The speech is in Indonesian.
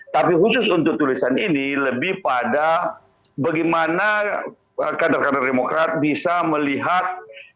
tapi khusus untuk tulisan ini lebih pada bagaimana kader kader demokrat bisa melihat